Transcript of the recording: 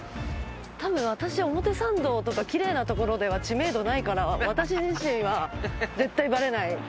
たぶん私表参道とか奇麗な所では知名度ないから私自身は絶対バレない。